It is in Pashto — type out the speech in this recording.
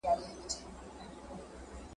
بهار به راسي خو زه به نه یم `